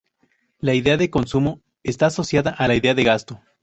La idea de consumo está asociada a la idea de gasto.